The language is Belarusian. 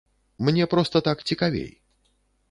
Мне проста так цікавей.